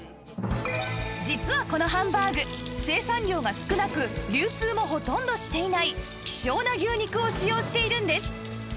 実はこのハンバーグ生産量が少なく流通もほとんどしていない希少な牛肉を使用しているんです